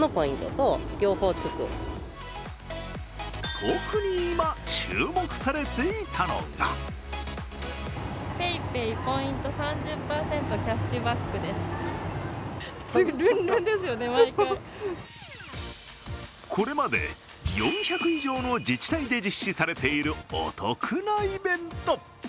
特に今、注目されていたのがこれまで４００以上の自治体で実施されているお得なイベント。